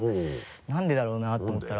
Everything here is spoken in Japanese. なんでだろうな？って思ったら。